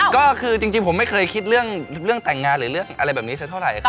ก็คือจริงผมไม่เคยคิดเรื่องแต่งงานหรือเรื่องอะไรแบบนี้สักเท่าไหร่